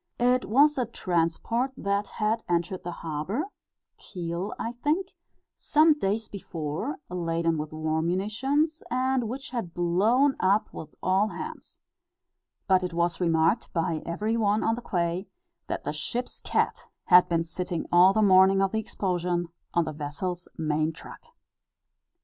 It was a transport that had entered the harbour Kiel, I think some days before, laden with war munitions, and which had blown up with all hands. But it was remarked by every one on the quay, that the ship's cat had been sitting all the morning of the explosion, on the vessel's main truck.